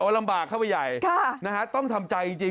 ลำบากเข้าไปใหญ่ต้องทำใจจริง